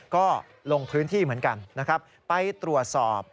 ก็ลงพื้นที่เหมือนกันไปตรวจสอบ